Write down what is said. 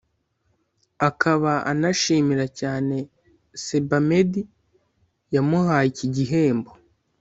akaba anashimira cyane Sebamed yamuhaye iki gihembo